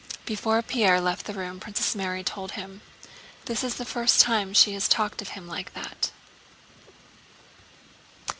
Before Pierre left the room Princess Mary told him: "This is the first time she has talked of him like that."